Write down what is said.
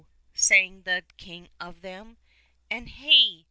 sang the king of them, And Hey!